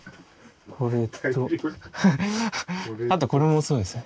これとあとこれもそうですね。